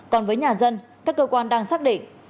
còn với nhà dân các cơ quan đang xác định